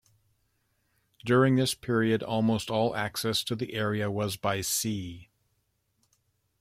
During this period almost all access to the area was by sea.